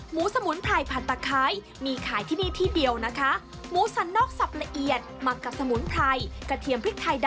หมูสมุนไพรพันตะไคร้